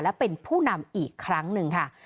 และเป็นผู้นำอีกครั้งหนึ่งค่ะ